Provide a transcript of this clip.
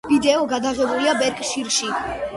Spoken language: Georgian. ვიდეო გადაღებულია ბერკშირში.